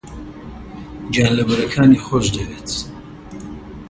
گیانلەبەرەکانی خۆش دەوێت.